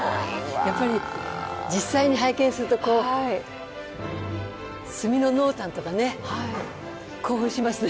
やっぱり実際に拝見するとこう墨の濃淡とかね興奮しますね。